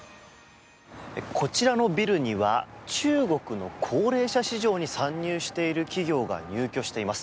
こちらのビルには中国の高齢者市場に参入している企業が入居しています。